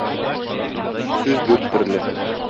Сүз дүрт төрле: